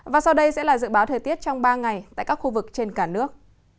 và sau đây sẽ là dự báo thời tiết trong ba ngày tại các khu vực trên cả nước